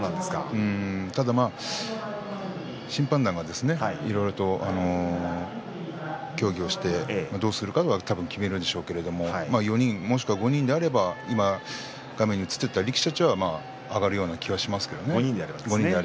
ただ審判団がいろいろと協議をしてどうするかは決めるでしょうけど４人、もしくは５人であれば今画面に映っていた力士たちは上がるような気がしますけどね。